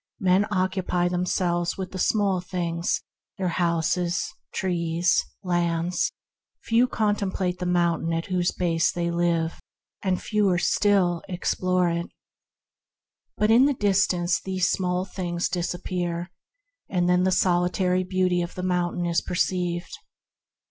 Men occupy themselves with the small things: their houses, trees, land. Few contemplate the mountain at whose base they live, and fewer still essay to explore it. But in the distance these small things disappear, and then the solitary beauty of the mountain is perceived.